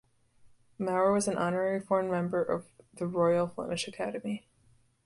Mawer was an honorary foreign member of the Royal Flemish Academy.